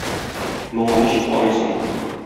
Моңа ничек карыйсың?